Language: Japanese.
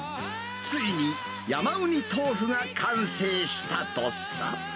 ついに山うに豆腐が完成したとさ。